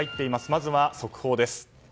まずは速報です。